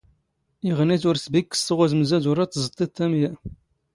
ⵉⵖ ⵏⵉⵜ ⵓⵔ ⵜⴱⵉⴽⴽⵙⵜ ⵖ ⵓⵣⵎⵣ ⴰⴷ ⵓⵔ ⴰⴷ ⵜⵥⵟⵟⵉⵜ ⴰⵎⵢⴰ.